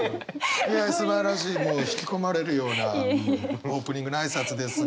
いやすばらしいもう引き込まれるようなオープニングの挨拶ですが。